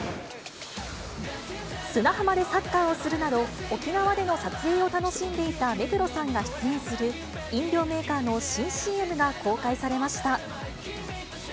砂浜でサッカーをするなど、沖縄での撮影を楽しんでいた目黒さんが出演する、飲料メーカーの新ＣＭが公開されました。